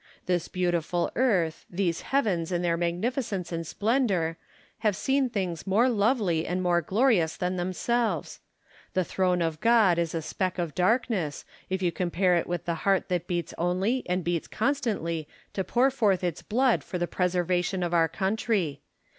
This beautiful earth, these heavens in their magnificence and splendour, have seen things more lovely and more glorious than themselves. The throne of God is a speck of darkness, if you compare it with the heart that beats only and beats constantly to pour forth its blood for the preservation of our country